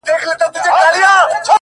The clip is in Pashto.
مه وايه دا چي اور وړي خوله كي!!